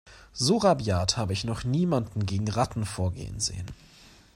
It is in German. So rabiat habe ich noch niemanden gegen Ratten vorgehen sehen.